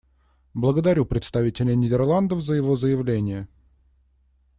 Благодарю представителя Нидерландов за его заявление.